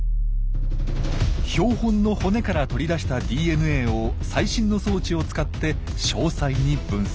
標本の骨から取り出したＤＮＡを最新の装置を使って詳細に分析。